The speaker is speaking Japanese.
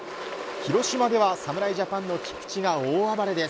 広島では侍ジャパンの菊池が大暴れです。